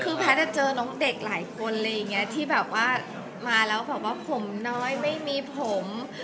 คือแพทย์จะเจอน้องเด็กหลายคนที่มาแล้วบอกว่าผมน้อยไม่มีผม